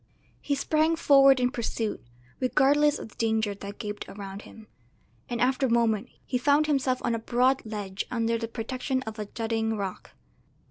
He sprang forward in pursuit, regardless of the danger that gaped around him; and after a moment he found himself on a broad ledge under the protection of a jutting rock.